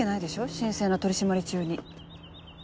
神聖な取り締まり中に。